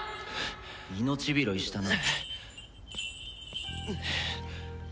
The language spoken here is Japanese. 命拾いしたな。